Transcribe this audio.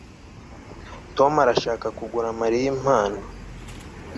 Tom arashaka kugura Mariya impano